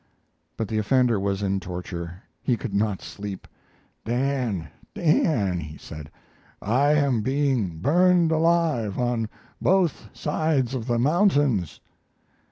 But the offender was in torture; he could not sleep. "Dan, Dan," he said, "I am being burned alive on both sides of the mountains."